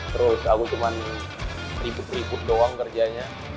terus aku cuma ribut ribut doang kerjanya